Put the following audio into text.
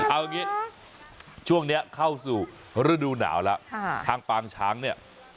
เอาอย่างนี้ช่วงนี้เข้าสู่ฤดูหนาวแล้วทางปางช้างเนี่ย